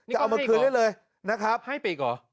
จะเอามาคืนได้เลยนะครับให้ปีกเหรอ